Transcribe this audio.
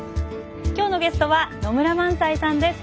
今日のゲストは野村萬斎さんです。